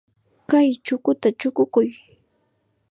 Kay chukuta chukukuy.